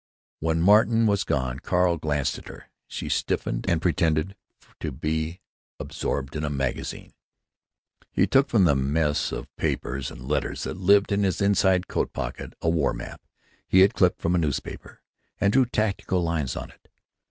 When Martin was gone Carl glanced at her. She stiffened and pretended to be absorbed in a magazine. He took from the mess of papers and letters that lived in his inside coat pocket a war map he had clipped from a newspaper, and drew tactical lines on it.